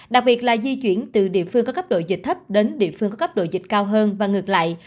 đặc biệt là di chuyển từ địa phương có cấp độ dịch thấp đến địa phương có cấp độ dịch cao hơn và ngược lại